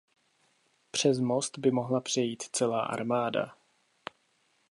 Přes most by mohla přejít celá armáda.